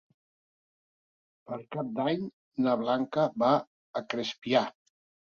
Per Cap d'Any na Blanca va a Crespià.